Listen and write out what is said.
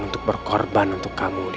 untuk berkorban untuk kamu